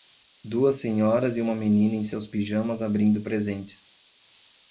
Duas senhoras e uma menina em seus pijamas abrindo presentes